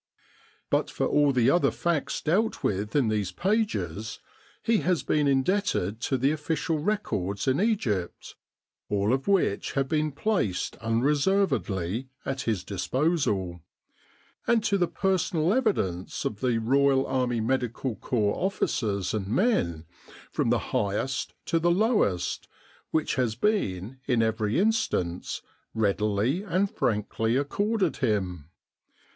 But for all other facts dealt with in these pages he has been indebted Preface to the official records in Egypt, all of which have been placed unreservedly at his disposal ; and to the personal evidence of R.A.M.C. officers and men from the highest to the lowest, which* has been, in every instance, readily and frankly accorded him.